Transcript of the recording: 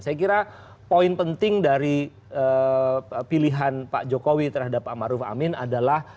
saya kira poin penting dari pilihan pak jokowi terhadap pak maruf amin adalah